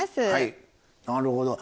なるほど。